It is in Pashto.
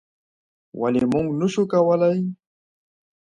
ولې موږ نشو کولی؟